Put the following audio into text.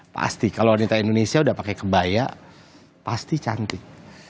pasti kalau wanita indonesia udah pakai kebaya pasti cantik